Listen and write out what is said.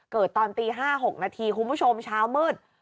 ตอนตี๕๖นาทีคุณผู้ชมเช้ามืด